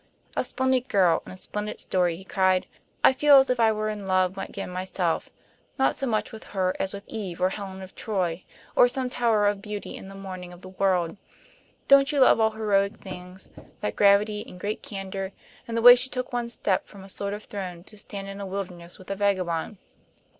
"A splendid girl and a splendid story," he cried. "I feel as if I were in love again myself, not so much with her as with Eve or Helen of Troy, or some such tower of beauty in the morning of the world. Don't you love all heroic things, that gravity and great candor, and the way she took one step from a sort of throne to stand in a wilderness with a vagabond?